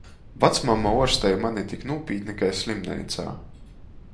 Vacmama uorstej mani tik nūpītni kai slimineicā.